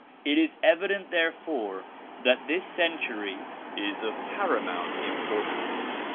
It is evident therefore that this century is of paramount importance.